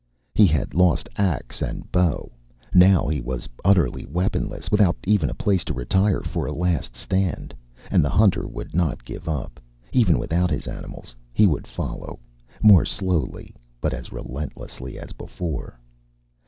He had lost axe and bow. Now he was utterly weaponless, without even a place to retire for a last stand. And the hunter would not give up. Even without his animals, he would follow, more slowly but as relentlessly as before.